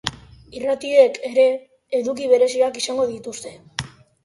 Irratiek ere, eduki bereziak izango dituzte.